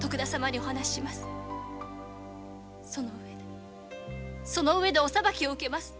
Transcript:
その上でその上でお裁きを受けます。